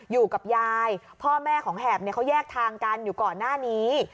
อยู่กับยายพ่อแม่ของแหบเนี่ยเขาแยกทางกันอยู่ก่อนหน้านี้